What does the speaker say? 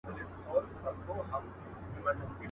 همېشه ورسره تلله په ښكارونو.